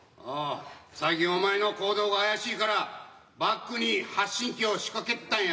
最近お前の行動が怪しいからバッグに発信機を仕掛けてたんや。